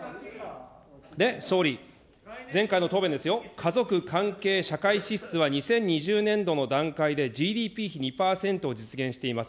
総理、前回の答弁ですよ、家族関係社会支出は２０２０年度の段階でＧＤＰ比２％を実現しています。